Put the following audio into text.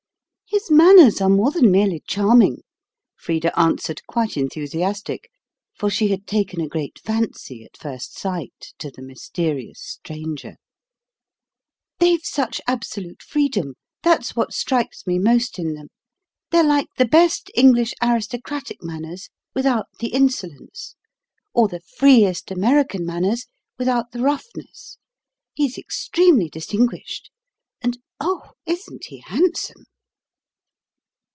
"His manners are more than merely charming," Frida answered, quite enthusiastic, for she had taken a great fancy at first sight to the mysterious stranger. "They've such absolute freedom. That's what strikes me most in them. They're like the best English aristocratic manners, without the insolence; or the freest American manners, without the roughness. He's extremely distinguished. And, oh, isn't he handsome!"